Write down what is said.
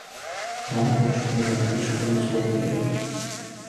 Dam olish kunlari kechqurun sovuq bo‘ladi